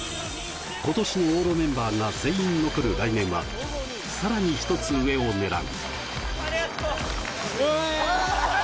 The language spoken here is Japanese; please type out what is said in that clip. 今年の往路メンバーが全員残る来年は、さらに一つ上をねらう。